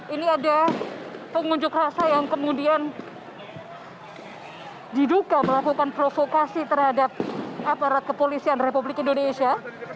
ini ada pengunjuk rasa yang kemudian diduga melakukan provokasi terhadap aparat kepolisian republik indonesia